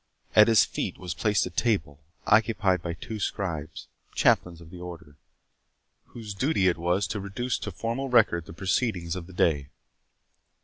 At his feet was placed a table, occupied by two scribes, chaplains of the Order, whose duty it was to reduce to formal record the proceedings of the day.